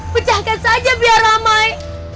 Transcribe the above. pecahkan saja biar ramai